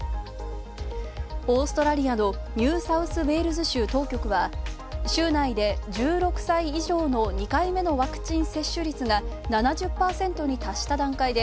オーストラリアのニューサウスウェールズ州当局は州内で１６歳以上の２回目のワクチン接種率が７０％に達した段階で